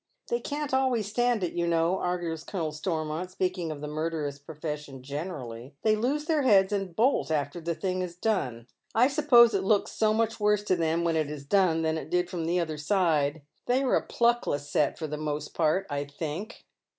"They can't always stand it, you know," argues Colonel Stor mont, spealdng of the murderous profession generally. " They lose their heads and bolt after the thing is done. I suppose it looks so much worse to them when it is done than it did fi'om the other side. They are a pluckless set for the most part, I think."